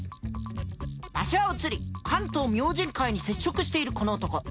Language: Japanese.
場所は移り関東明神会に接触しているこの男。